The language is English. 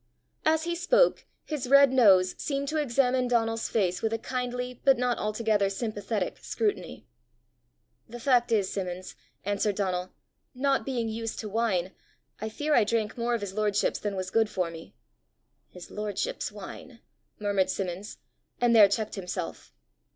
As he spoke his red nose seemed to examine Donal's face with a kindly, but not altogether sympathetic scrutiny. "The fact is, Simmons," answered Donal, "not being used to wine, I fear I drank more of his lordship's than was good for me." "His lordship's wine," murmured Simmons, and there checked himself.